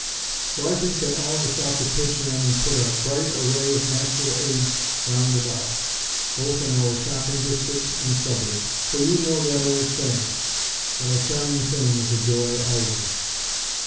So I think that all of us ought to pitch in and put a bright array of natural aids round about; both in our shopping district and suburbs; for you know that old saying, that 'a charming thing is a joy always.'"